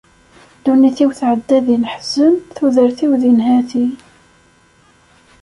Ddunit-iw tɛedda di leḥzen, tudert-iw di nnhati.